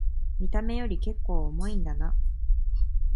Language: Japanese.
見た目よりけっこう重いんだな